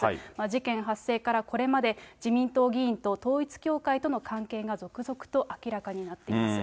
事件発生からこれまで、自民党議員と統一教会との関係が続々と明らかになっています。